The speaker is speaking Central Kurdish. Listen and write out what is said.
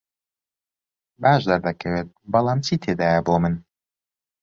باش دەردەکەوێت، بەڵام چی تێدایە بۆ من؟